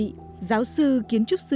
các bác sĩ giáo sư kiến trúc sư